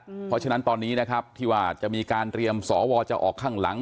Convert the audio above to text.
เพราะฉะนั้นตอนนี้นะครับที่ว่าจะมีการเตรียมสวจะออกข้างหลัง